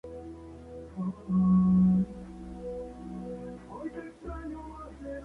Estos fueron obteniendo sus tierras, plantando y construyendo sus comunidades.